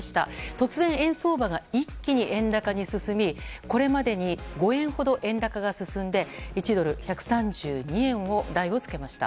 突然、円相場が一気に円高に進みこれまで５円ほど円高が進んで１ドル＝１３２円台をつけました。